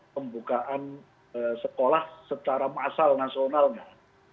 pembukaan sekolah secara massal nasional enggak